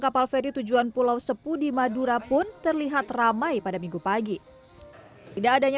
kapal feri tujuan pulau sepudi madura pun terlihat ramai pada minggu pagi tidak adanya